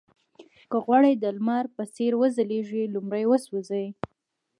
که غواړئ د لمر په څېر وځلېږئ لومړی وسوځئ.